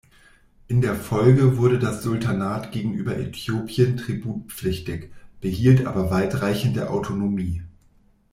In der Folge wurde das Sultanat gegenüber Äthiopien tributpflichtig, behielt aber weitreichende Autonomie.